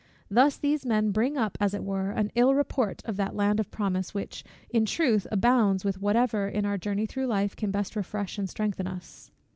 Thus these men bring up, as it were, an ill report of that land of promise, which, in truth, abounds with whatever, in our journey through life, can best refresh and strengthen us.